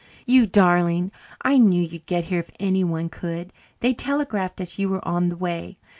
"You darling! I knew you'd get here if anyone could. They telegraphed us you were on the way.